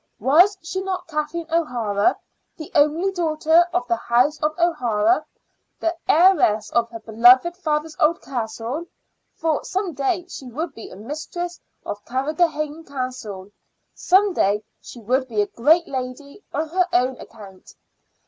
Was she not Kathleen O'Hara, the only daughter of the House of O'Hara, the heiress of her beloved father's old castle? For some day she would be mistress of Carrigrohane Castle; some day she would be a great lady on her own account.